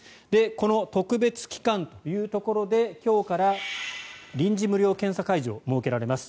この特別期間というところで今日から臨時無料検査会場が設けられます。